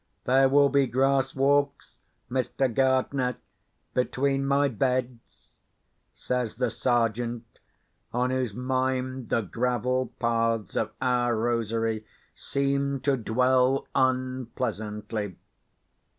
There will be grass walks, Mr. Gardener, between my beds," says the Sergeant, on whose mind the gravel paths of our rosery seemed to dwell unpleasantly.